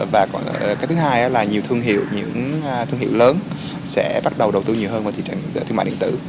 và thứ hai là nhiều thương hiệu những thương hiệu lớn sẽ bắt đầu đầu tư nhiều hơn vào thương mại điện tử